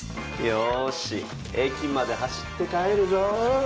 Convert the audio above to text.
よし駅まで走って帰るぞ！